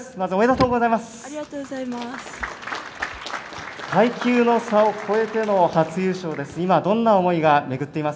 まずおめでとうございます。